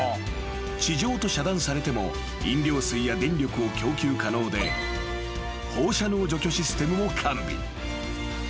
［地上と遮断されても飲料水や電力を供給可能で放射能除去システムも完備］